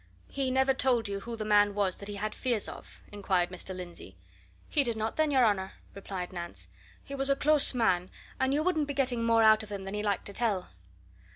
"He never told you who the man was that he had his fears of?" inquired Mr. Lindsey. "He did not, then, your honour," replied Nance. "He was a close man, and you wouldn't be getting more out of him than he liked to tell."